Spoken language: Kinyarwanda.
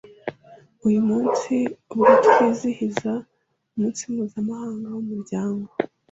Uyu munsi, ubwo twizihiza Umunsi Mpuzamahanga w’Umuryango